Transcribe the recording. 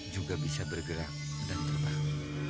juga bisa bergerak dan terbang